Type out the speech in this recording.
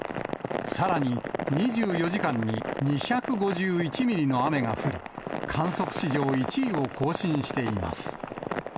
さらに、２４時間に２５１ミリの雨が降り、観測史上１位を更新しています。